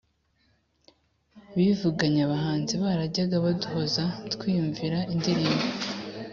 Bivuganye abahanzi Barajyaga baduhoza Twiyumvira indirimbo